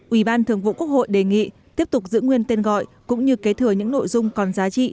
ủy ban thường vụ quốc hội đề nghị tiếp tục giữ nguyên tên gọi cũng như kế thừa những nội dung còn giá trị